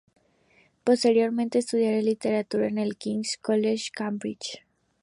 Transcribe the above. Posteriormente estudiará Literatura en el King's College, Cambridge.